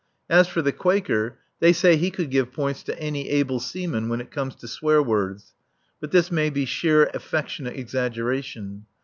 As for the Quaker, they say he could give points to any able seaman when it comes to swear words (but this may be sheer affectionate exaggeration).